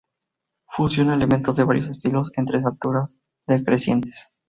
Fusiona elementos de varios estilos en tres alturas decrecientes.